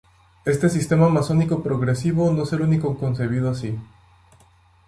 Este sistema masónico progresivo, no es el único concebido así.